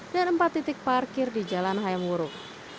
dan empat titik parkir di jalan hayam wuruk